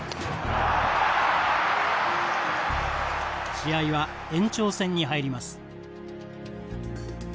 試合は延長戦に入ります。